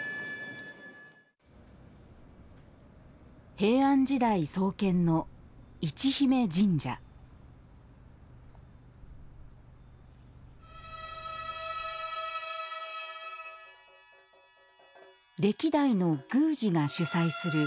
平安時代創建の市比賣神社歴代の宮司が主宰する